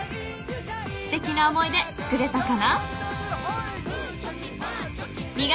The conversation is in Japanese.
［すてきな思い出つくれたかな？］